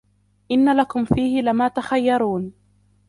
إِنَّ لَكُمْ فِيهِ لَمَا تَخَيَّرُونَ